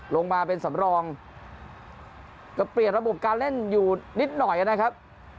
ลงมาเป็นสำรองก็เปลี่ยนระบบการเล่นอยู่นิดหน่อยนะครับ